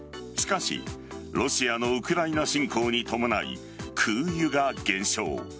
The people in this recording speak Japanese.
しかしロシアのウクライナ侵攻に伴い空輸が減少。